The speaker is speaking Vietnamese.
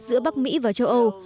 giữa bắc mỹ và châu âu